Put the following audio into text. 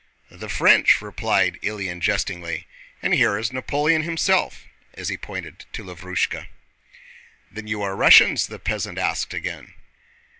"The French," replied Ilyín jestingly, "and here is Napoleon himself"—and he pointed to Lavrúshka. "Then you are Russians?" the peasant asked again.